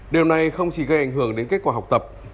điều này không chỉ gây ảnh hưởng đến kết quả học tập